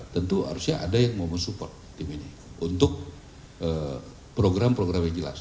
tentu harusnya ada yang mau mensupport tim ini untuk program program yang jelas